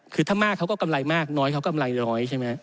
คือถ้ามากเขาก็กำไรมากน้อยเขากำไรน้อยใช่ไหม